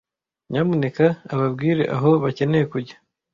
Nyamuneka ubabwire aho bakeneye kujya.